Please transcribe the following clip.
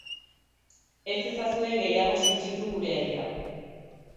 Ez ezazue gehiago suntsitu gure herri hau.